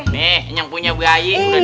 nih ini yang punya bu gaih udah dateng